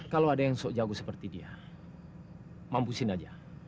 kalau ada yang sok jago seperti dia mampusin aja